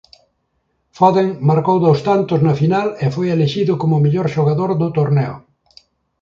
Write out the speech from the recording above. Foden marcou dous tantos na final e foi elixido como mellor xogador do torneo.